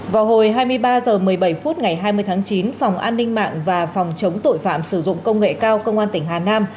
vào hồi hai mươi ba h một mươi bảy phút ngày hai mươi tháng chín phòng an ninh mạng và phòng chống tội phạm sử dụng công nghệ cao công an tỉnh hà nam